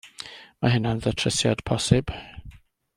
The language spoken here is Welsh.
Mae hynna'n ddatrysiad posib.